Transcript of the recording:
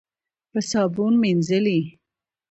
په صابون مینځلې.